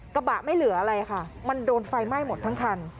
กระบะไม่เหลืออะไรค่ะมันโดนไฟไหม้หมดทั้งคัน